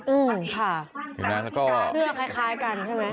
อืมค่ะเพื่อคล้ายกันใช่ไหม